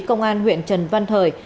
công an huyện trần văn thời